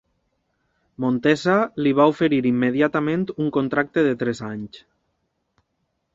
Montesa li va oferir immediatament un contracte de tres anys.